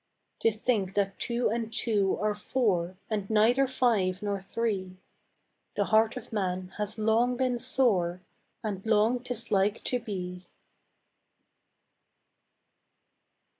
To think that two and two are four And neither five nor three The heart of man has long been sore And long 'tis like to be.